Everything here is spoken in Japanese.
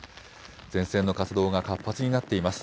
前線の活動が活発になっています。